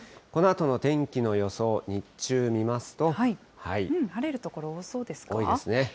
このあとの天気の予想、日中見ま晴れる所、多そうですか。